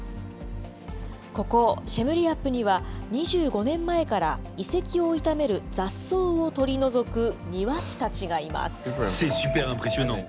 ここ、シェムリアップには２５年前から、遺跡を傷める雑草を取り除く庭師たちがいます。